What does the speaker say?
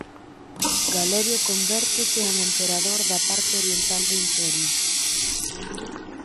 Galerio convértese en emperador da parte oriental do Imperio.